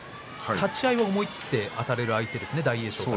立ち合い、思い切ってあたれる相手ですね大栄翔は。